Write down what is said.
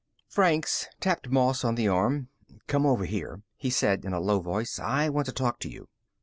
Franks tapped Moss on the arm. "Come over here," he said in a low voice. "I want to talk to you."